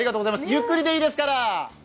ゆっくりでいいですから。